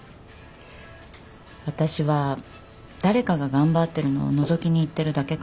私は誰かが頑張ってるのをのぞきに行ってるだけかもって。